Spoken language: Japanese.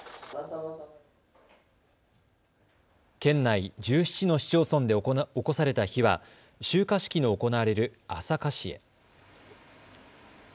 県内１７の市町村でおこされた火は集火式の行われる朝霞市へ。